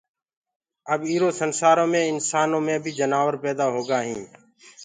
اب ايٚ را دُنيآ مي انسآنو مي بي جنآور پيدآ هوگآ هين